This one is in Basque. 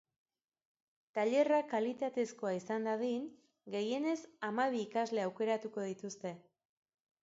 Tailerra kalitatezkoa izan dadin, gehienez hamabi ikasle aukeratuko dituzte.